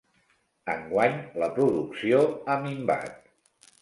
Enguany, la producció ha minvat.